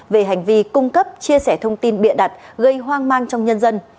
về hành vi cung cấp chia sẻ thông tin bịa đặt gây hoang mang trong nhân dân